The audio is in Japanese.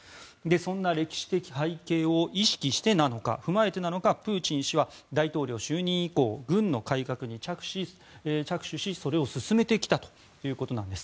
そんな歴史的背景を意識してなのか踏まえてなのかプーチン氏は大統領就任以降軍の改革に着手しそれを進めてきたということなんです。